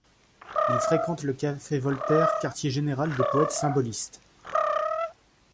Il fréquente le café Voltaire, quartier-général des poètes symbolistes.